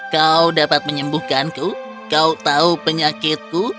kau dapat menyembuhkanku kau tahu penyakitku